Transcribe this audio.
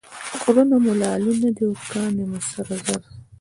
غرونه مو لعلونه دي او کاڼي مو سره زر.